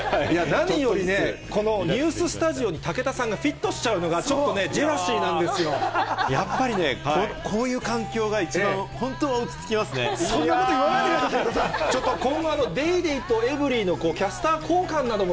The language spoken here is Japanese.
何よりね、このニューススタジオに武田さんがフィットしちゃうのが、ちょっとね、ジェラシーやっぱりね、こういう環境がそんなこと言わないでくださちょっと今後、ＤａｙＤａｙ．とエブリィのキャスター交換なども。